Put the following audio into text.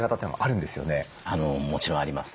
もちろんあります。